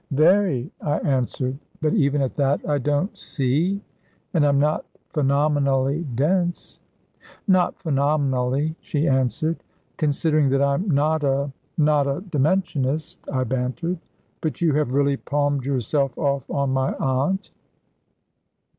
"Very," I answered, "but even at that, I don't see . And I'm not phenomenally dense." "Not phenomenally," she answered. "Considering that I'm not a not a Dimensionist," I bantered. "But you have really palmed yourself off on my aunt?"